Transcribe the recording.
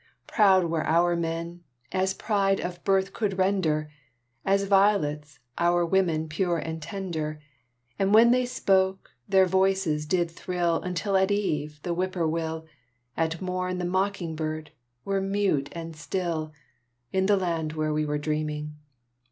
Proud were our men, as pride of birth could render; As violets, our women pure and tender; And when they spoke, their voices did thrill Until at eve the whip poor will, At morn the mocking bird, were mute and still, In the land where we were dreaming.